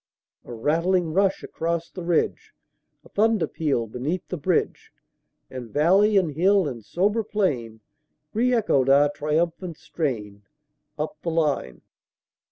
A rattling rush across the ridge, A thunder peal beneath the bridge; And valley and hill and sober plain Re echoed our triumphant strain, Up the line.